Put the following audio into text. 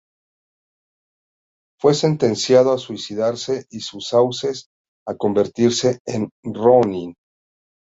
Fue sentenciado a suicidarse y sus secuaces a convertirse en "rōnin".